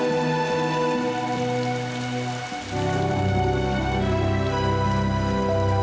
ngapain kamu di sini